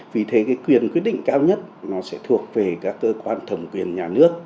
vì thế cái quyền quyết định cao nhất nó sẽ thuộc về các cơ quan thầm quyền nhà nước